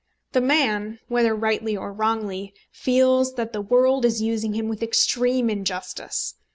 The man, whether rightly or wrongly, feels that the world is using him with extreme injustice.